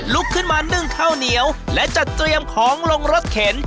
ลุกขึ้นมานึ่งข้าวเหนียวและจัดเตรียมของลงรถเข็น